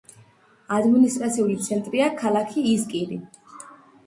ადმინისტრაციული ცენტრია ქალაქი ისკირი.